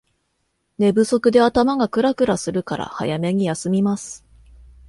寝不足で頭がクラクラするから早めに休みます